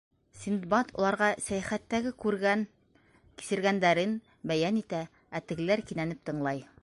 Синдбад уларға сәйәхәттәге күргән-кисергәндәрен бәйән итә, ә тегеләр кинәнеп тыңлай.